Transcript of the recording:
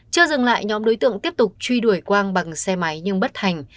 chưa dừng lại nhóm đối tượng tiếp tục truy đuổi quang bằng xe máy nhưng bất hành